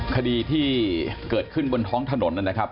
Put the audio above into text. คดีที่เกิดขึ้นบนท้องถนนนะครับ